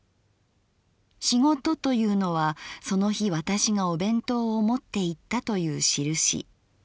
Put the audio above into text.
『仕事』というのはその日私がお弁当を持っていったというしるし。